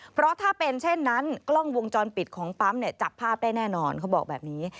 เพราะถ้าเป็นเช่นนั้นกล้องวงจรปิดของปั๊มเนี่ยจับภาพได้แน่นอนเขาบอกแบบนี้